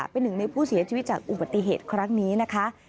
เป็นหนึ่งในผู้เสียชีวิตจากอุบัติเหตุครั้งนี้นะคะ